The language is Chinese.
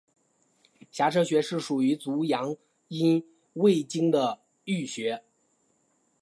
颊车穴是属于足阳明胃经的腧穴。